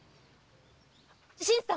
新さん！